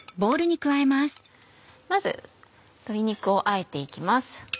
まず鶏肉をあえて行きます。